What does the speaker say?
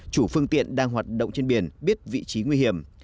chủ phương tiện đang hoạt động trên biển biết vị trí nguy hiểm